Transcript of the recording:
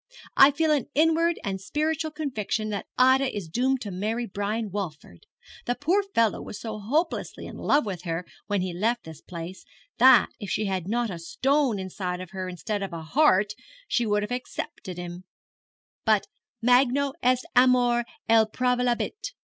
'I feel an inward and spiritual conviction that Ida is doomed to marry Brian Walford. The poor fellow was so hopelessly in love with her when he left this place, that, if she had not a stone inside her instead of a heart, she would have accepted him; but _magno est amor et praevalebit!